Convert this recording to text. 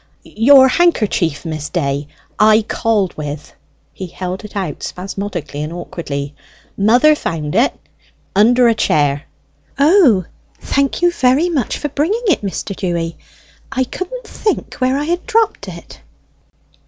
"Your handkerchief: Miss Day: I called with." He held it out spasmodically and awkwardly. "Mother found it: under a chair." "O, thank you very much for bringing it, Mr. Dewy. I couldn't think where I had dropped it."